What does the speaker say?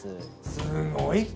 すごい人。